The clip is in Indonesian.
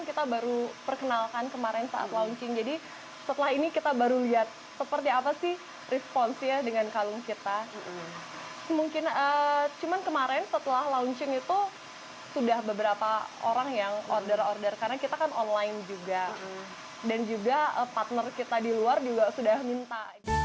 kita kan online juga dan juga partner kita di luar juga sudah minta